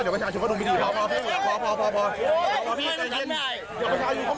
เขา